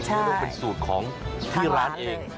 เข็มมันเป็นสูตรของร้านเอง